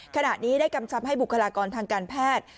ขณะนี้ได้กำชับให้บุคลากรทางการแพทย์